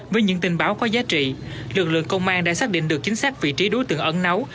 với những tình báo có giá trị lực lượng công an đã xác định được chính xác vị trí đối tượng ẩn nấu